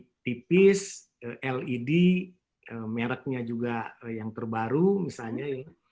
tv tipis led mereknya juga yang terbaru misalnya